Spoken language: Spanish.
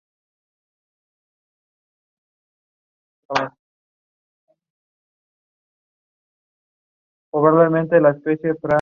Prats Soca nació en Camagüey.